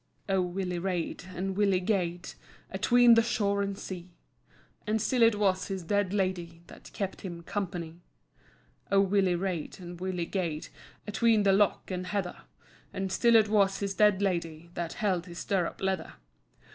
O Willie rade, and Willie gaed Atween the shore and sea, And still it was his dead Lady That kept him company. O Willie rade, and Willie gaed Atween the [loch and heather], And still it was his dead Lady That [held his stirrup leather].